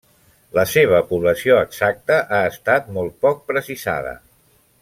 La seva població exacta ha estat molt poc precisada.